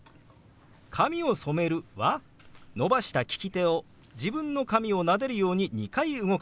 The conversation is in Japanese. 「髪を染める」は伸ばした利き手を自分の髪をなでるように２回動かします。